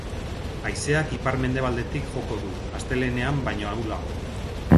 Haizeak ipar-mendebaldetik joko du, astelehenean baino ahulago.